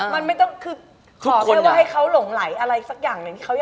ประเทศให้เขาหลงไหลอะไรสักอย่าง